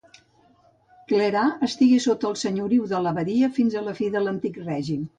Clerà estigué sota el senyoriu de l'abadia fins a la fi de l'Antic Règim.